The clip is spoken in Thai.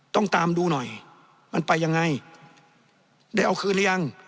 ต้องตามดูหน่อยมันไปยังไงได้เอาคืนหรือยัง